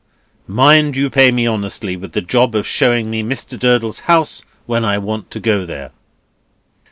"Mind you pay me honestly with the job of showing me Mr. Durdles's house when I want to go there."